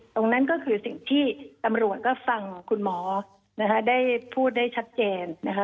ตรงนั้นก็คือสิ่งที่ตำรวจก็ฟังคุณหมอนะคะได้พูดได้ชัดเจนนะคะ